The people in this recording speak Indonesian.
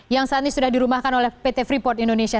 yang saat ini sudah dirumahkan oleh pt freeport indonesia